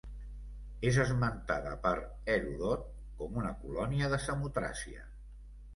És esmentada per Heròdot com una colònia de Samotràcia.